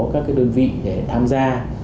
các đơn vị tham gia